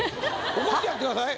怒ってやってください。